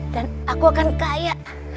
dan aku akan kaya